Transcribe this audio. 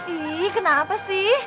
ih kenapa sih